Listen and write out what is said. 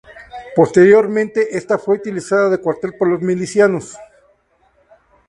Posteriormente está fue utilizada de cuartel por los milicianos.